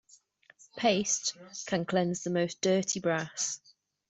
Paste can cleanse the most dirty brass.